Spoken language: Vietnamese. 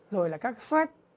rồi là các suết